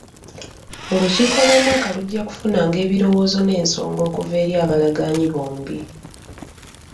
Olukiiko lw'omwaka lujja kufunanga ebirowoozo n'ensonga okuva eri abalagaanyi bombi.